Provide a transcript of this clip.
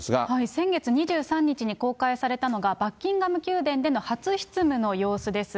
先月２３日に公開されたのがバッキンガム宮殿での初執務の様子です。